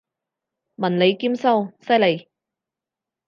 文理兼修，犀利！